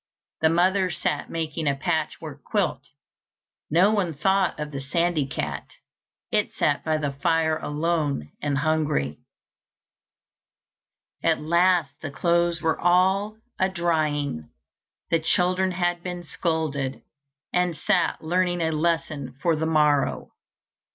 The mother sat making a patchwork quilt. No one thought of the sandy cat; it sat by the fire alone and hungry. At last the clothes were all a drying, the children had been scolded, and sat learning a lesson for the morrow.